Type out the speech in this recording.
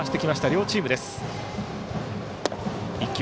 両チームです。